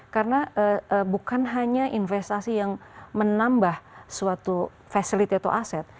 karena bukan hanya investasi yang menambah suatu facility atau asset